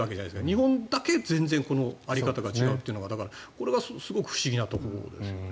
日本だけ在り方が違うというのはだからこれはすごく不思議なところですね。